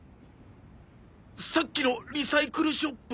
さっきのリサイクルショップ。